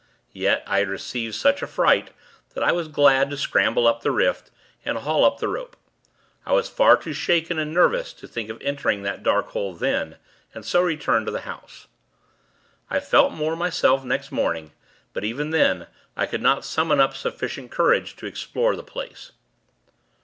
Yet, I had received such a fright, that I was glad to scramble up the rift, and haul up the rope. I was far too shaken and nervous to think of entering that dark hole then, and so returned to the house. I felt more myself next morning; but even then, I could not summon up sufficient courage to explore the place.